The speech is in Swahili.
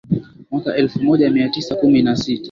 mwaka elfu moja mia tisa kumi na sita